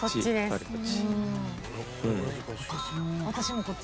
私も。